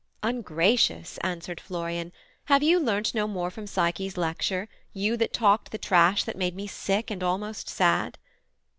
'Ungracious!' answered Florian; 'have you learnt No more from Psyche's lecture, you that talked The trash that made me sick, and almost sad?'